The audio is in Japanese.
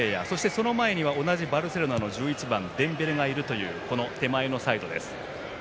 その前には同じバルセロナの１１番デンベレがいるという手前のサイドです。